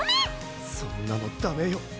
そんなのダメよ